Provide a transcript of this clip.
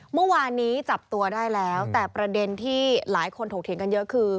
เมื่อวานนี้จับตัวได้แล้วแต่ประเด็นที่หลายคนถกเถียงกันเยอะคือ